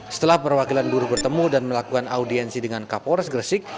setelah perwakilan buruh bertemu dan melakukan audiensi dengan kapolres gresik